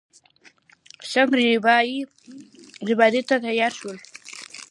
څنګه رېبارۍ ته تيار شوې.